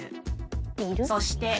そして。